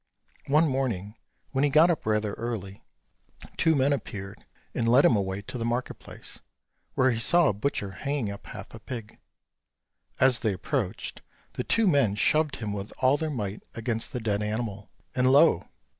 One morning when he got up rather early, two men appeared, and led him away to the market place, where he saw a butcher hanging up half a pig. As they approached, the two men shoved him with all their might against the dead animal, and lo!